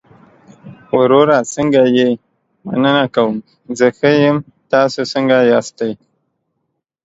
وروره څنګه يې؟ مننه کوم، زه ښۀ يم، تاسو څنګه ياستى؟